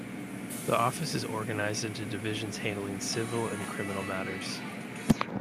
The Office is organized into divisions handling civil and criminal matters.